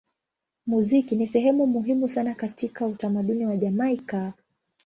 Muziki ni sehemu muhimu sana katika utamaduni wa Jamaika.